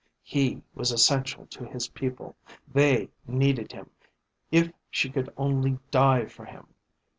He was essential to his people. They needed him. If she could only die for him.